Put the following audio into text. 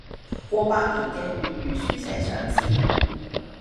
過百年嘅粵語書寫嘗試